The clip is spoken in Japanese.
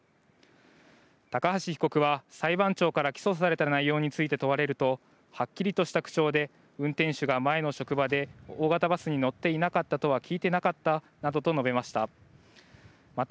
高橋被告は裁判長から起訴された内容について問われるとはっきりとした口調で運転手が前の職場で大型バスに乗っていなかったと聞いていなかったなどと述べました。